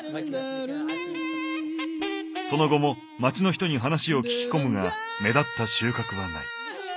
その後も町の人に話を聞き込むが目立った収穫はない。